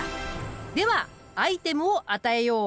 ではアイテムを与えよう！